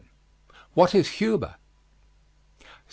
WHAT IS HUMOR? 78.